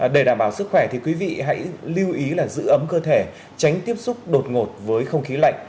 để đảm bảo sức khỏe thì quý vị hãy lưu ý là giữ ấm cơ thể tránh tiếp xúc đột ngột với không khí lạnh